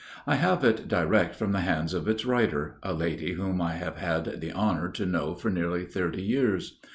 I have it direct from the hands of its writer, a lady whom I have had the honor to know for nearly thirty years.